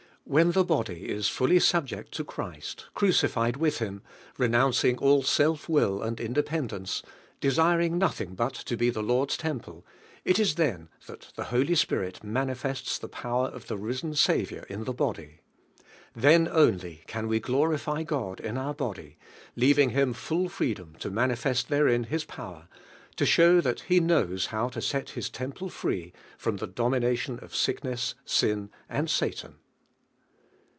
When the body is fully subject to Christ, crucified with Him, renouncing all self will and in dependence, desiring nothing but to be the Tjord's temple, it is then that the Holy Spirit manifests the power of the risen Saviour in the body. Then only can we glorify God in onr body, leaving Him full freedom to manifest therein His power, to show that He knows how to set His temple free from the domination of sick ness, sin and Satan.